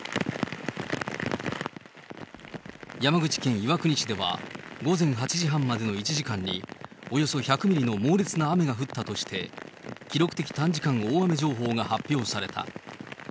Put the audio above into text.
山口県岩国市では、午前８時半までの１時間に、およそ１００ミリの猛烈な雨が降ったとして、記録的短時間大雨情報が発表された。